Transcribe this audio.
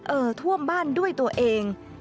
เอ่อท่วมบ้านด้วยตัวเอง